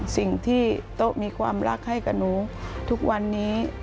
สิ่งที่โต๊ะมีความรักให้กับหนูทุกวันนี้